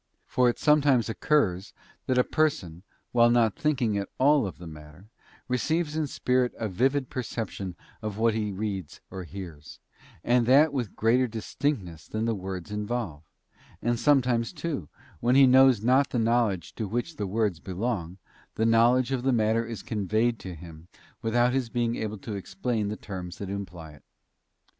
For it sometimes occurs that a person, while not thinking at all of the matter, receives in spirit a vivid per ception of what he hears or reads, and that with greater distinctness than the words involve; and sometimes, too, even when he knows not the language to which the words belong, the knowledge of the matter is conveyed to him without his being able to explain the terms that imply it.